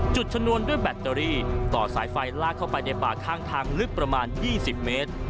ชนวนด้วยแบตเตอรี่ต่อสายไฟลากเข้าไปในป่าข้างทางลึกประมาณ๒๐เมตร